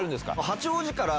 八王子から。